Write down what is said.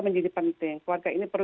menjadi penting warga ini perlu